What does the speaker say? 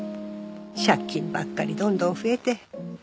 借金ばっかりどんどん増えて。